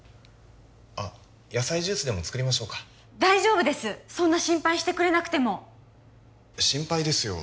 あっ野菜ジュースでも作りましょうか大丈夫ですそんな心配してくれなくても心配ですよ